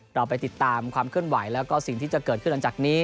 เราไปติดตามความเคลื่อนไหวแล้วก็สิ่งที่จะเกิดขึ้นหลังจากนี้